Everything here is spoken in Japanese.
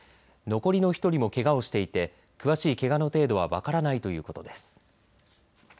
残りの１人もけがをしていて詳しいけがの程度は分からないということです。